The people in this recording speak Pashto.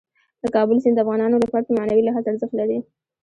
د کابل سیند د افغانانو لپاره په معنوي لحاظ ارزښت لري.